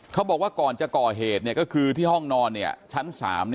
เขาบอกว่าก่อนจะก่อเหตุก็คือที่ห้องนอนชั้น๓